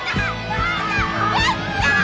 やったー！